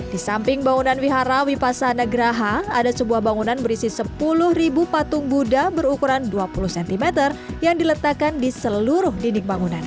di samping bangunan wihara wipasanagraha ada sebuah bangunan berisi sepuluh patung buddha berukuran dua puluh cm yang diletakkan di seluruh didik bangunan